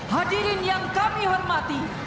hadirin yang kami hormati